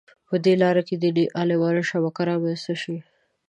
په دې لاره د دیني عالمانو شبکه رامنځته شي.